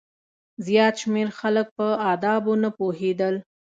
زیات شمېر خلک په آدابو نه پوهېدل.